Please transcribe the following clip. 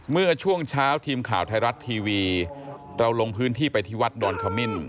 เมื่อช่วงเช้าทีมข่าวไทยรัฐทีวีเราลงพื้นที่ไปที่วัดดอนขมิ้น